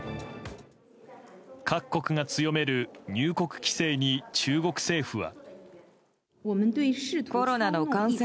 各国が強める入国規制に中国政府は。